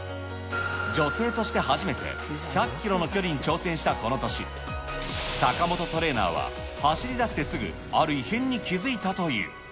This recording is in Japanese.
女性として初めて１００キロの距離に挑戦した、この年、坂本トレーナーは走りだしてすぐ、ある異変に気付いたという。